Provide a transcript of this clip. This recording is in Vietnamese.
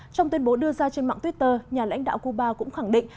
trong tuyên bố đưa ra trên mạng twitter nhà lãnh đạo cuba cũng khẳng định